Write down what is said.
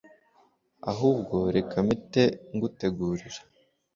ahubwo reka mpite ngutegurira